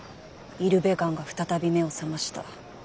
イルベガンが再び目を覚ました。